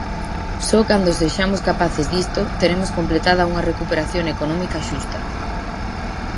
Só cando sexamos capaces disto, teremos completada unha recuperación económica xusta.